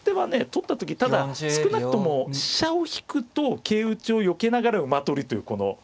取った時ただ少なくとも飛車を引くと桂打ちをよけながら馬取りというこの。